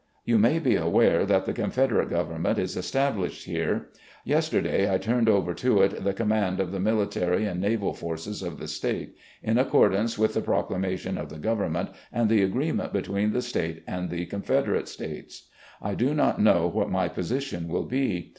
... You may be aware that the Confederate Government is established here. Yes terday I turned over to it the command of the military and naval forces of the State, in accordance with the proclamation of the Government and the agreement between the State and the Confederate States. I do not know what my position will be.